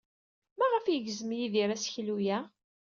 Maɣef ay yegzem Yidir aseklu-a?